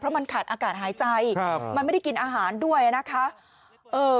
มันขาดอากาศหายใจครับมันไม่ได้กินอาหารด้วยนะคะเออ